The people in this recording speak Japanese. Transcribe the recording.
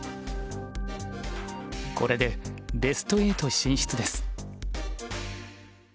これでベスト８進出です。